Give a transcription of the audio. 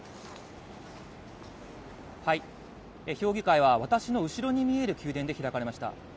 評議会は、私の後ろに見える宮殿で開かれました。